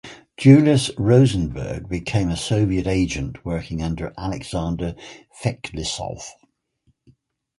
Julius Rosenberg became a Soviet agent working under Alexander Feklissov.